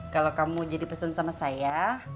kalau kamu jadi pesen sama saya